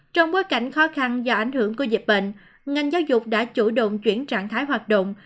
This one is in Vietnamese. trong bối cảnh khó khăn do ảnh hưởng của dịch bệnh ngành giáo dục đã chủ động chuyển trạng thái hoạt động